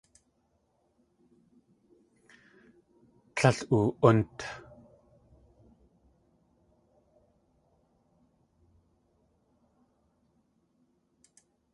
Tlél oo.únt.